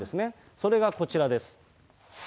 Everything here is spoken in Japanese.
それがこちらです。